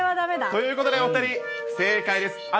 ということでお２人、不正解です。